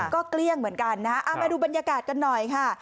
ก็เกลี้ยงเหมือนกันนะฮะเอามาดูบรรยากาศกันหน่อยค่ะ